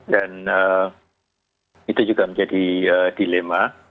dan itu juga menjadi dilema